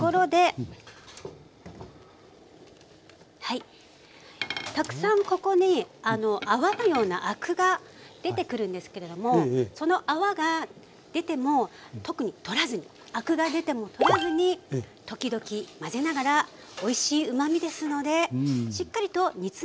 はいたくさんここにあの泡のようなアクが出てくるんですけれどもその泡が出ても特に取らずにアクが出ても取らずに時々混ぜながらおいしいうまみですのでしっかりと煮詰めていって下さい。